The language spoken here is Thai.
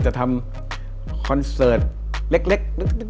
จะทำคอนเสิร์ตเล็ก